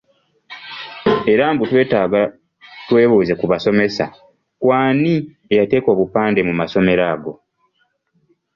Era mbu twetaaga twebuuze ku basomesa ku ani yateeka obupande mu masomero ago?